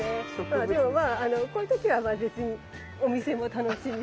まあでもまあこういう時は別にお店も楽しみつつ。